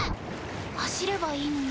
走ればいいのに。